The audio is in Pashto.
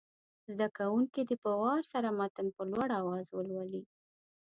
زده کوونکي دې په وار سره متن په لوړ اواز ولولي.